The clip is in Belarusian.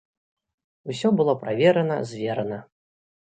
Усё было праверана, зверана.